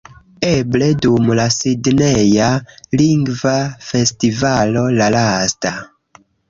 Eble dum la Sidneja Lingva Festivalo, la lasta